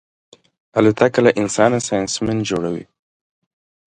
الوتکه له انسانه ساینسمن جوړوي.